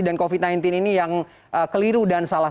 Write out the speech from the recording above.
dan covid sembilan belas ini yang keliru dan salah